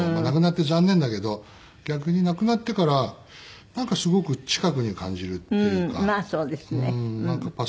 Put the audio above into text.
亡くなって残念だけど逆に亡くなってからなんかすごく近くに感じるっていうか。